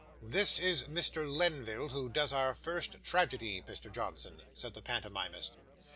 'This is Mr. Lenville, who does our first tragedy, Mr. Johnson,' said the pantomimist.